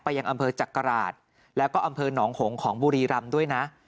ยังอำเภอจักราชแล้วก็อำเภอหนองหงของบุรีรำด้วยนะ